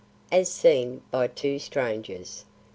AS SEEN BY TWO STRANGERS I.